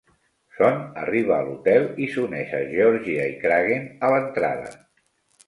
Sean arriba a l'hotel i s'uneix a Georgia i Kragen a l'entrada.